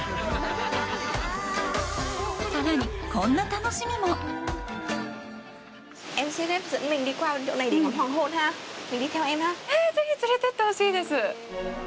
さらに、こんな楽しみもぜひ連れてってほしいです！